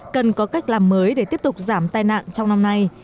cần có cách làm mới để tiếp tục giảm tai nạn trong năm nay